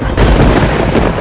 masih ada beres